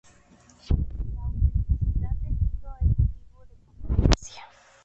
La autenticidad del libro es motivo de controversia.